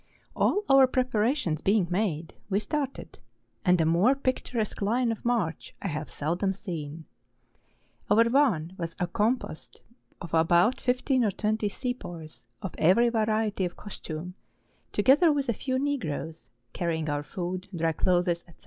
All our preparations being made, we started, and a more picturesque line of march I have seldom seen. Our van was composed of about fifteen or twenty Sepoys of every variety of costume, together with a few Negroes carrying our food, dry clothes, &c.